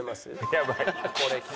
やばい。